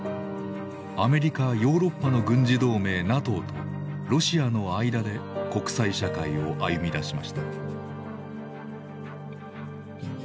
アメリカ・ヨーロッパの軍事同盟ＮＡＴＯとロシアの間で国際社会を歩みだしました。